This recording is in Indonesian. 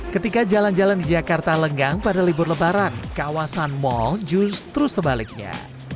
ketika jalan jalan di jakarta lenggang pada libur lebaran kawasan mal justru sebaliknya